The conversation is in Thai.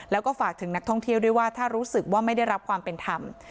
แล้วก็ฝากถึงนักท่องเที่ยวด้วยว่าถ้ารู้สึกว่าไม่ได้รับความเป็นธรรม